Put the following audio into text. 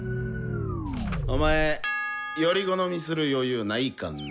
お前より好みする余裕ないかんね。